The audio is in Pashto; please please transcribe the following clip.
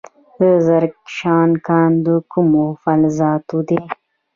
د زرکشان کان د کومو فلزاتو دی؟